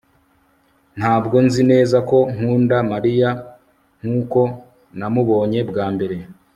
ntabwo nzi neza ko nkunda mariya nkuko namubonye bwa mbere